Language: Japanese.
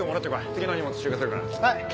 次の荷物集荷するから。